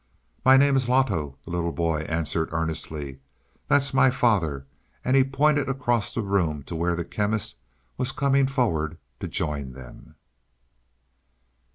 "My name is Loto," the little boy answered earnestly. "That's my father." And he pointed across the room to where the Chemist was coming forward to join them.